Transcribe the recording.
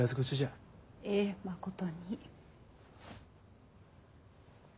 えぇまことに。